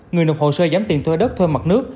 người nộp hồ sơ giám tiền thuê đất thuê mặt nước